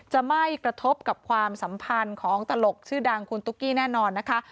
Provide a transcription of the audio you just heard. จะไม่กระทบกับความสัมพันธ์ของตลกชื่อดังคุณตุ๊กกี้แน่นอนนะคะ